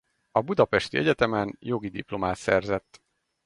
A budapesti egyetemen jogi diplomát szerzett.